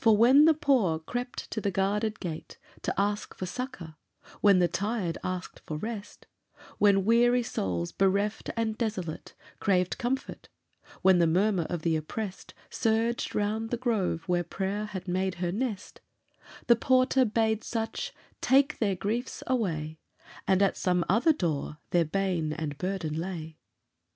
For when the poor crept to the guarded gate To ask for succour, when the tired asked rest, When weary souls, bereft and desolate, Craved comfort, when the murmur of the oppressed Surged round the grove where prayer had made her nest, The porter bade such take their griefs away, And at some other door their bane and burden lay.